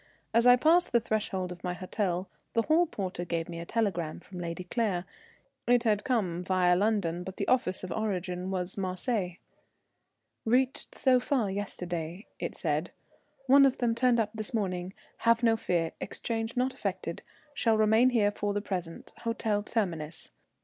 As I passed the threshold of my hotel, the hall porter gave me a telegram from Lady Claire. It had come via London, but the office of origin was Marseilles. "Reached so far, yesterday," it said. "One of them turned up this morning have no fear exchange not effected shall remain here for the present Hotel Terminus.